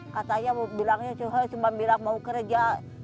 katanya bilangnya cuma bilang mau kerja